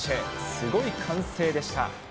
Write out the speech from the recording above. すごい歓声でした。